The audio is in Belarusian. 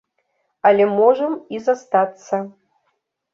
Але можам і застацца.